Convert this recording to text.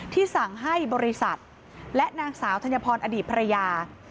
สั่งให้บริษัทและนางสาวธัญพรอดีตภรรยา